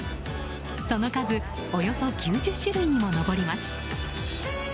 その数およそ９０種類にも上ります。